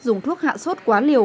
dùng thuốc hạ sốt quá liều